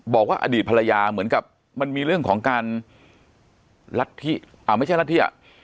บอกว่าอดีตภรรยาเหมือนกับมันมีเรื่องของการรัฐธิไม่ใช่รัฐธิอ่ะ